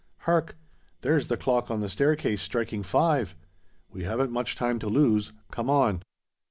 Hark! there's the clock on the staircase striking five? We haven't much time to lose: come on."